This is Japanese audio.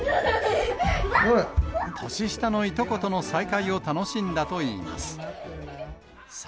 年下のいとことの再会を楽しんだといいます。